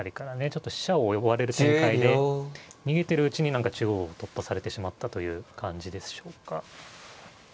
ちょっと飛車を追われる展開で逃げてるうちに何か中央を突破されてしまったという感じでしょうか。